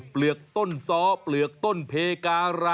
เปลือกต้นเพกา